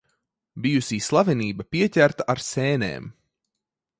Bijusī slavenība pieķerta ar sēnēm.